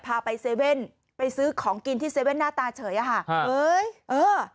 พาไปเซเว่นไปซื้อของกินที่๗๑๑หน้าตาเฉยอ่ะค่ะเฮ้ยเออ